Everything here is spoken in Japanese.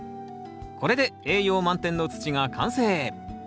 これで栄養満点の土が完成。